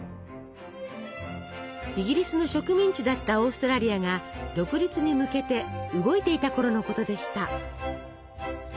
イギリスの植民地だったオーストラリアが独立に向けて動いていたころのことでした。